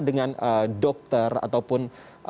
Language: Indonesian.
dengan dokter ataupun